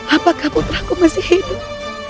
apakah putriku masih hidup